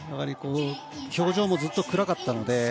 表情もずっと暗かったので。